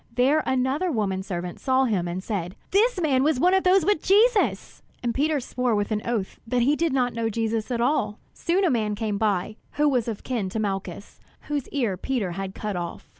There another woman servant saw him and said: "This man was one of those with Jesus!" And Peter swore with an oath that he did not know Jesus at all. Soon a man came by, who was of kin to Malchus, whose ear Peter had cut off.